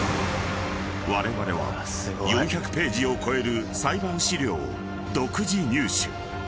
［われわれは４００ページを超える裁判資料を独自入手］